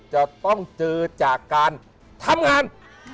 จะต้องเจอจากการทำงาน